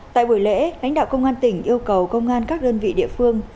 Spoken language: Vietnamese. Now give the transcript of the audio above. tại buổi lễ lãnh đạo công an tỉnh yêu cầu công an các đơn vị địa phương